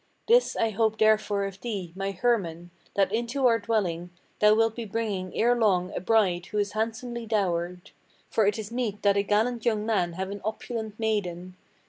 This I hope therefore of thee, my Hermann, that into our dwelling Thou wilt be bringing ere long a bride who is handsomely dowered; For it is meet that a gallant young man have an opulent maiden.